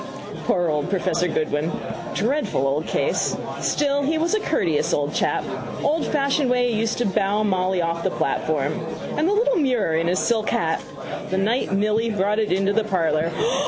Poor old professor Goodwin. Dreadful old case. Still he was a courteous old chap. Oldfashioned way he used to bow Molly off the platform. And the little mirror in his silk hat. The night Milly brought it into the parlour.